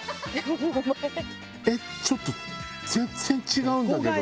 えっちょっと全然違うんだけど。